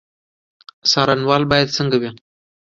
څارنوال باید څنګه وي؟